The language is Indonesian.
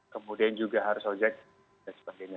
kemudian juga harus ojek dan sebagainya